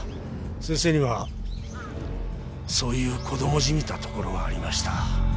先生にはそういう子供じみたところがありました。